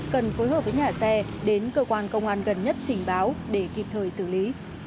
cần phối hợp với nhà xe đến cơ quan công an gần nhất trình báo để kịp thời xử lý